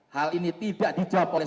hal ini tidak dijawab oleh